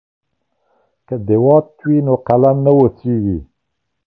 که دوات وي نو قلم نه وچیږي.